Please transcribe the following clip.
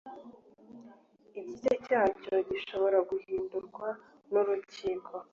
igice cyacyo gishobora guhindurwa n urukiko